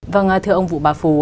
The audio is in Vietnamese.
vâng thưa ông vũ bà phú